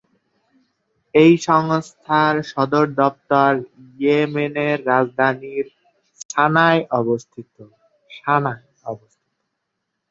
এই সংস্থার সদর দপ্তর ইয়েমেনের রাজধানী সানায় অবস্থিত।